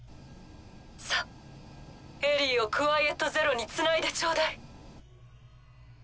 さあエリィをクワイエット・ゼロにつないでちょうだい。